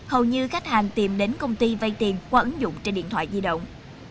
hầu như khách hàng tìm đến công ty vay tiền qua ứng dụng trên điện thoại di động